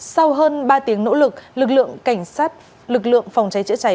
sau hơn ba tiếng nỗ lực lực lượng cảnh sát lực lượng phòng cháy chữa cháy